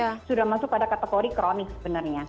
nah itu sudah masuk pada kategori kronis sebenarnya